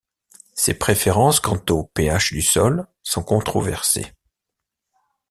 Ses préférences quant au pH du sol sont controversées.